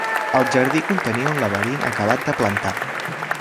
El jardí contenia un laberint acabat de plantar.